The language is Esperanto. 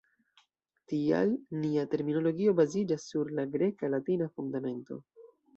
Tial nia terminologio baziĝas sur la greka-latina fundamento.